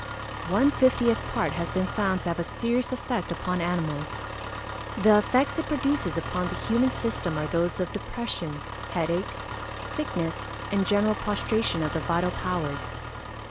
_ One fiftieth part has been found to have a serious effect upon animals. The effects it produces upon the human system are those of depression, headache, sickness, and general prostration of the vital powers.